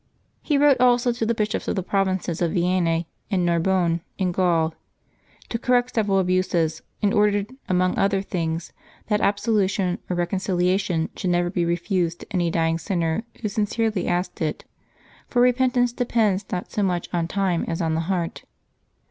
He wrote also to the bishops of the provinces of Vienne and ^arbonne in Gaul, to correct several abuses, and ordered, among other things, that absolution or recon ciliation should never be refused to any dying sinner who sincerely asked it ; for repentance depends not so much on time as on the heart.